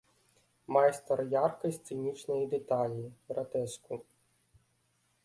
Майстар яркай сцэнічнай дэталі, гратэску.